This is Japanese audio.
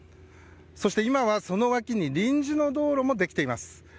そして今はその脇に臨時の道路もできています。